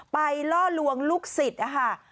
ไปล่อลวงลูกศิษฐ์อะค่ะ